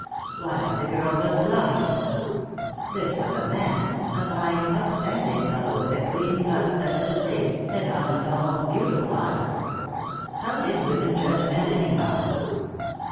Why, the girl was blind. This was a man, a fine, up standing fellow, with a clean cut, sensitive face, and honest, almost beautiful eyes. How did women judge men, anyhow?